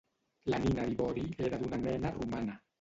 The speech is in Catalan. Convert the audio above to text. La nina d'ivori era d'una nena romana.